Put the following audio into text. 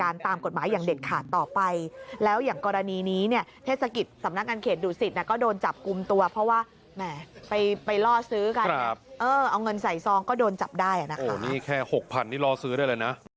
รอซื้อกันเอาเงินใส่ซองก็โดนจับได้นี่แค่๖๐๐๐ที่รอซื้อได้เลยนะ